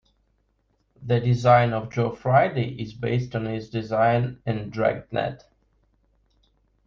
The design of Joe Friday is based on his design in Dragged Net!